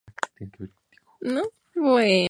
Se encuentra en la India y Birmania.